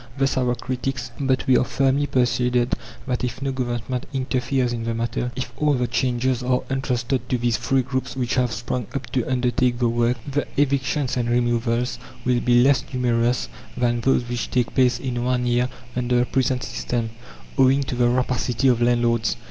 Thus our critics; but we are firmly persuaded that if no Government interferes in the matter, if all the changes are entrusted to these free groups which have sprung up to undertake the work, the evictions and removals will be less numerous than those which take place in one year under the present system, owing to the rapacity of landlords.